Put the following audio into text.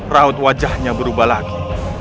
raut wajahnya berubah lagi